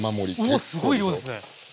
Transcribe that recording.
うわっすごい量ですね！